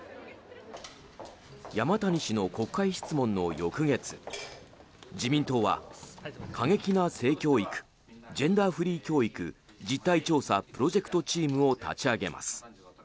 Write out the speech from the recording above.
山谷氏の国会質問の翌月自民党は過激な性教育・ジェンダーフリー教育実態調査プロジェクトチームを立ち上げます。